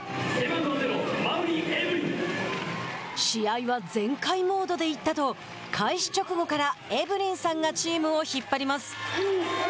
試合は全開モードで行ったと開始直後からエブリンさんがチームを引っ張ります。